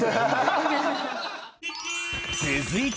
続いては